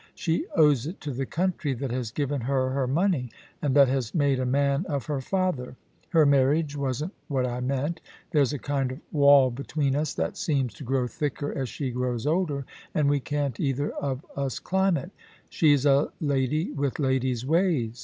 She owes it to the country that has given her her money, and that has made a man of her father. ... Her marriage wasn't what I meant There's a kind of wall between us that seems to grow thicker as she grows older — and we can't either of us climb it She's a lady with ladies' ways.